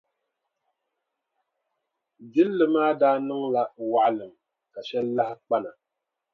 Jilli maa daa niŋla waɣilim ka shɛli lahi kpa na.